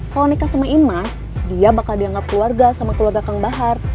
kalau nikah sama imas dia bakal dianggap keluarga sama keluarga kang bahar